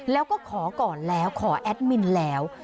แล้วก็ขอก่อนแล้วขอแอดมินแล้ว